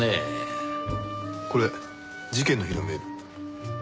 これ事件の日のメール。